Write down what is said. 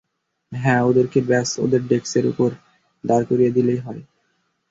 হ্যাঁ, ওদেরকে ব্যাস ওদের ডেস্কের ওপর দাঁড় করিয়ে দিলেই তো হয়।